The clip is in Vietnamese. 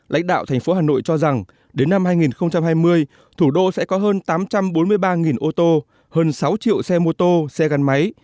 lãnh đạo thành phố hà nội cho rằng đến năm hai nghìn hai mươi thủ đô sẽ có hơn tám trăm bốn mươi ba ô tô hơn sáu triệu xe mô tô xe gắn máy